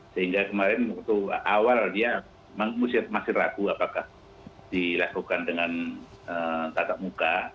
sehingga kemarin waktu awal dia masih ragu apakah dilakukan dengan tatap muka